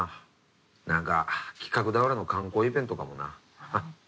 何か企画倒れの観光イベントかもな。